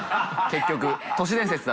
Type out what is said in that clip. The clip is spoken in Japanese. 結局。